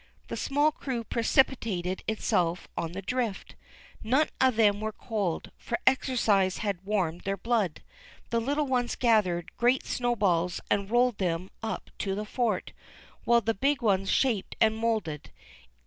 The small crew precipitated itself on the drift. None of them were cold, "A PIPE WAS PUT INTO HIS MOUTH." for exercise liad warmed their blood. The little ones gathered great snowballs and rolled them up to the fort^ while the big ones shaped and moulded.